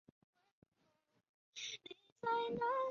圆芽箭竹为禾本科箭竹属下的一个种。